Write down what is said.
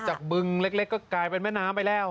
บึงเล็กก็กลายเป็นแม่น้ำไปแล้ว